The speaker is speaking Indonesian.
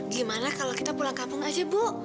gimana kalau kita pulang kampung aja bu